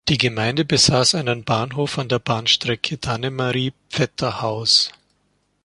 Die Gemeinde besaß einen Bahnhof an der Bahnstrecke Dannemarie–Pfetterhouse.